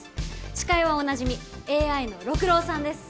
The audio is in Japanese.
司会はおなじみＡＩの六郎さんです。